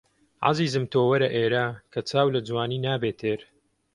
عەزیزم تۆ وەرە ئێرە کە چاو لە جوانی نابێ تێر